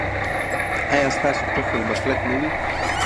ایا ستاسو قفل به کلک نه وي؟